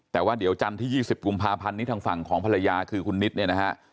แต่ว่าเดี๋ยวจันทร์ที่๒๐กุมภาพันธ์นี้ทางฝั่งของภรรยาคือคุณนิดเนี่ยนะฮะ